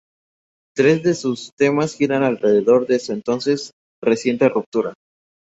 Tres de sus temas giran alrededor de su entonces reciente ruptura.